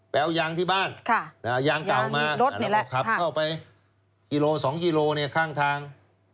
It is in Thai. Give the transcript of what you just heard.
ไปเอายางที่บ้านยางเก่ามาเราขับเข้าไป๒กิโลกรัมข้างทาง